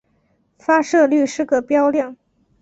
发射率是个标量。